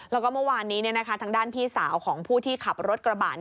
แล้วก็เมื่อวานนี้ทางด้านพี่สาวของผู้ที่ขับรถกระบะ